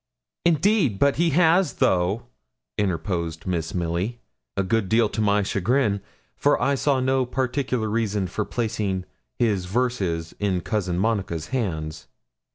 'Indeed but he has though,' interposed Miss Milly; a good deal to my chagrin, for I saw no particular reason for placing his verses in Cousin Monica's hands.